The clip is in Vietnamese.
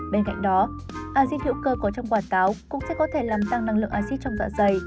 bên cạnh đó axit hiệu cơ có trong quả táo cũng sẽ có thể làm tăng năng lượng axit trong dạng giày